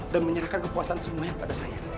dan menyerahkan kepuasan semuanya pada saya